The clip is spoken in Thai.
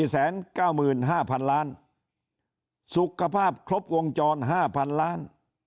๙๕๐๐๐ล้านสุขภาพครบวงจร๕๐๐๐ล้าน